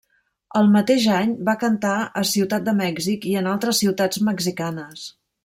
El mateix any va cantar a Ciutat de Mèxic i en altres ciutats mexicanes.